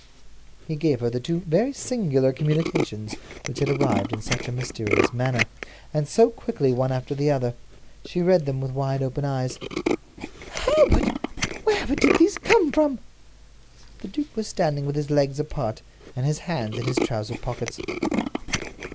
He gave her the two very singular communications which had arrived in such a mysterious manner, and so quickly one after the other. She read them with wide open eyes. "Hereward! Wherever did these come from?" The duke was standing with his legs apart, and his hands in his trousers pockets.